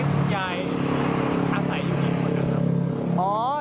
พุทธยายค่าใส่อยู่กับคนหรือครับ